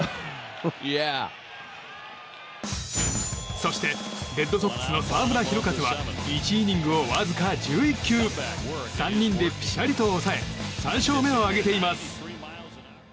そしてレッドソックスの澤村拓一は１イニングをわずか１１球３人でぴしゃりと抑え３勝目を挙げています。